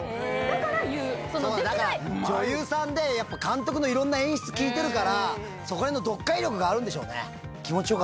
だから女優さんでやっぱ監督のいろんな演出聞いてるからそこら辺の読解力があるんでしょうね。